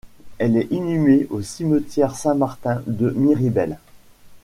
Elle est inhumée au cimetière Saint-Martin de Miribel.